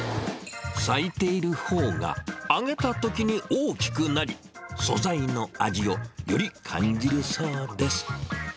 咲いているほうが、揚げたときに大きくなり、素材の味をより感じるそうです。